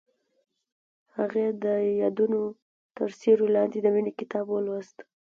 هغې د یادونه تر سیوري لاندې د مینې کتاب ولوست.